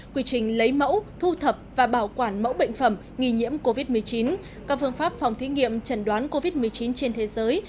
quy trình lấy mẫu thu thập và bảo quản mẫu bệnh phẩm nghi nhiễm covid một mươi chín các phương pháp phòng thí nghiệm chẩn đoán covid một mươi chín trên thế giới